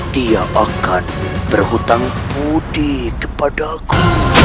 dia akan berhutang budi kepadaku